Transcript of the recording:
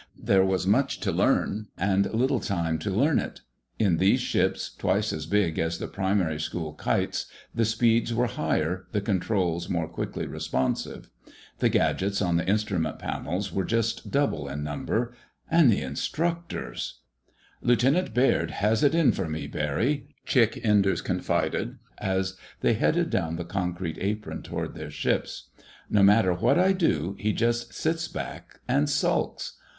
There was much to learn, and little time to learn it. In these ships, twice as big as the primary school "kites," the speeds were higher, the controls more quickly responsive. The gadgets on the instrument panels were just double in number. And the instructors—! "Lieutenant Baird has it in for me, Barry," Chick Enders confided, as they headed down the concrete apron toward their ships. "No matter what I do, he just sits back and sulks.